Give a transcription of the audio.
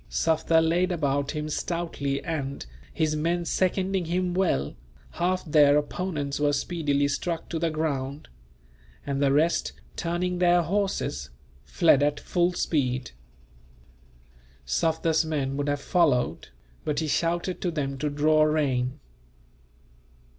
Sufder laid about him stoutly and, his men seconding him well, half their opponents were speedily struck to the ground; and the rest, turning their horses, fled at full speed. Sufder's men would have followed, but he shouted to them to draw rein.